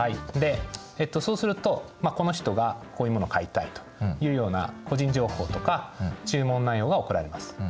そうするとこの人がこういうものを買いたいというような個人情報とか注文内容が送られます。